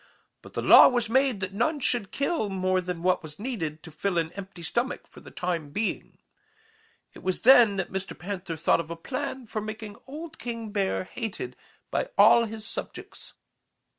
But the law was made that none should kill more than was needed to fill an empty stomach for the time being. It was then that Mr. Panther thought of a plan for making old King Bear hated by all his subjects.